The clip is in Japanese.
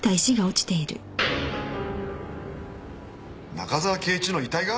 中沢啓一の遺体が？